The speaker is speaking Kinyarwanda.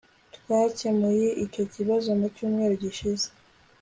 Twakemuye icyo kibazo mu cyumweru gishize